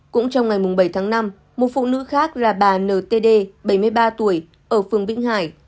cũng trong ngày bảy tháng năm một phụ nữ khác là bà ntd bảy mươi ba tuổi ở phường vĩnh hải